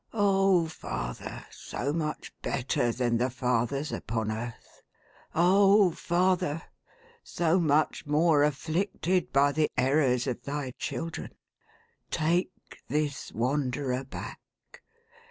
Oh, Father, so much better than the fathers upon earth ! Oh, Father, so much more afflicted by the errors of thy children ! take this wanderer back